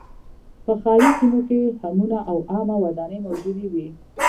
په ښاري سیمو کې حمونه او عامه ودانۍ موجودې وې